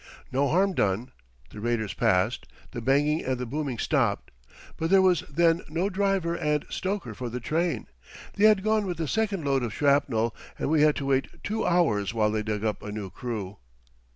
No harm done. The raiders passed, the banging and the booming stopped; but there was then no driver and stoker for the train. They had gone with the second load of shrapnel, and we had to wait two hours while they dug up a new crew.